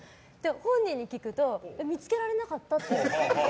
本人に聞くと見つけられなかったって。